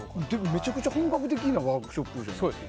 めちゃくちゃ本格的なワークショップじゃないですか。